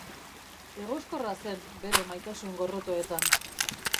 Egoskorra zen bere maitasun-gorrotoetan.